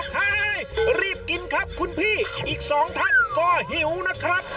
ให้รีบกินครับคุณพี่อีกสองท่านก็หิวนะครับ